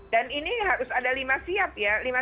dan ini harus ada lima siap ya